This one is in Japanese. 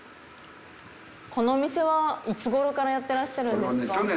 このお店はいつごろからやってらっしゃるんですか？